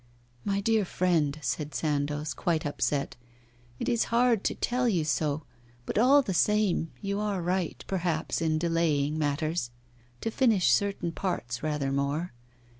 'My poor friend,' said Sandoz, quite upset; 'it is hard to tell you so, but all the same you are right, perhaps, in delaying matters to finish certain parts rather more.